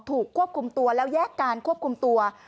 ถูกควบคุมตัวแล้วแยกการควบคุมตัว